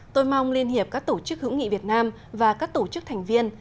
tôi mong liên hiệp các tổ chức hữu nghị việt nam và các tổ chức thành viên